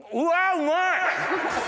うまい！